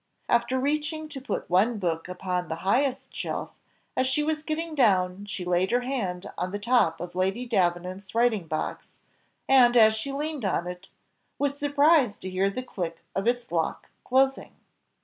After reaching to put one book upon the highest shelf, as she was getting down she laid her hand on the top of Lady Davenant's writing box, and, as she leaned on it, was surprised to hear the click of its lock closing.